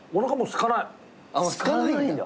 すかないんだ。